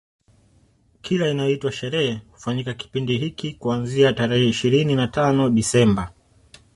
Kila inayoitwa sherehe hufanyika kipindi hiki kuanzia tarehe ishirini na tano Desemba